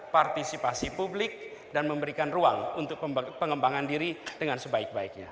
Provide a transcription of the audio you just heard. partisipasi publik dan memberikan ruang untuk pengembangan diri dengan sebaik baiknya